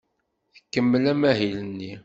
Tkemmel amahil-nni.